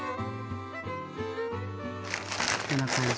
こんな感じ。